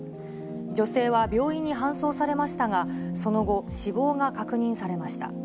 女性は病院に搬送されましたが、その後、死亡が確認されました。